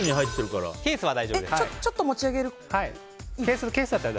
ちょっと持ち上げても。